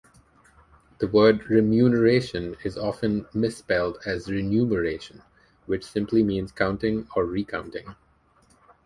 The word "remuneration" is often misspelled as "renumeration", which simply means counting or re-counting.